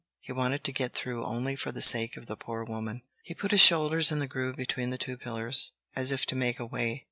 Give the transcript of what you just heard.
He wanted to get through only for the sake of the poor woman. He put his shoulder in the groove between the two pillars, as if to make a way.